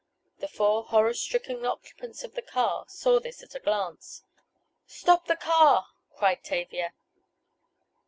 The four horror stricken occupants of the car saw this at a glance. "Stop the car!" cried Tavia.